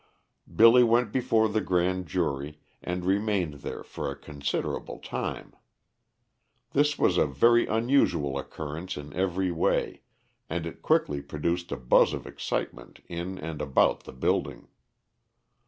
Billy went before the grand jury, and remained there for a considerable time. This was a very unusual occurrence in every way, and it quickly produced a buzz of excitement in and about the building.